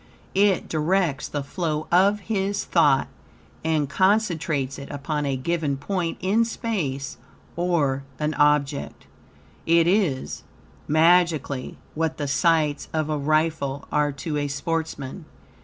It directs the flow of his thought and concentrates it upon a given point in space or an object. It is, magically, what the sights of a rifle are to a sportsman.